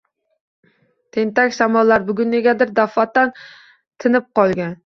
Tentak shamollar bugun negadir daf’atan tinib qolgan.